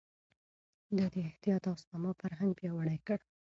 ده د احتياط او سپما فرهنګ پياوړی کړ.